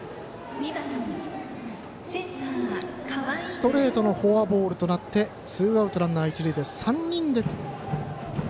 ストレートのフォアボールとなってツーアウト、ランナー、一塁。